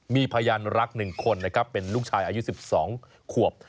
มีพยานรัก๑คนนะครับเป็นลูกชายอายุ๑๒ขวบ